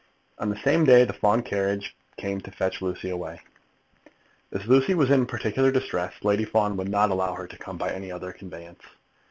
On the same day the Fawn carriage came to fetch Lucy away. As Lucy was in peculiar distress, Lady Fawn would not allow her to come by any other conveyance.